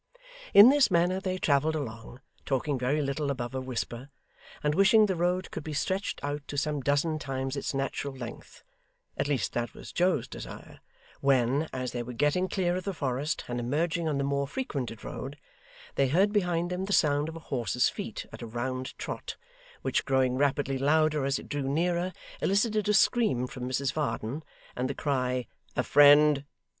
In this manner they travelled along, talking very little above a whisper, and wishing the road could be stretched out to some dozen times its natural length at least that was Joe's desire when, as they were getting clear of the forest and emerging on the more frequented road, they heard behind them the sound of a horse's feet at a round trot, which growing rapidly louder as it drew nearer, elicited a scream from Mrs Varden, and the cry 'a friend!